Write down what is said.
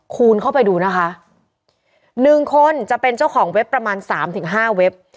คูณเข้าไปดูนะคะหนึ่งคนจะเป็นเจ้าของเว็บประมาณสามถึงห้าเว็บ